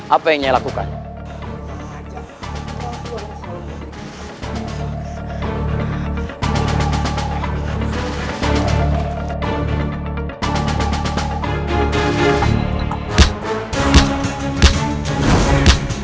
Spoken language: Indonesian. apa apa yang dibuat tadi